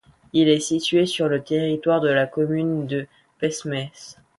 Il est situé sur le territoire de la commune de Pesmes.